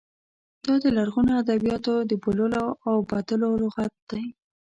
دا د لرغونو ادبیاتو د بوللو او بدلو لغت دی.